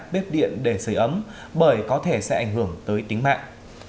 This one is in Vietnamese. bếp điện để sửa ấm bởi có thể sẽ ảnh hưởng tới tính mạng